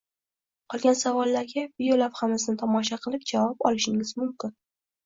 Qolgan savollarga videolavhamizni tomosha qilib javob olishingiz mumkin.